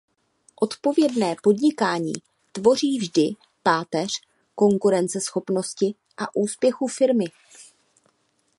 Odpovědné podnikání tvoří vždy páteř konkurenceschopnosti a úspěchu firmy.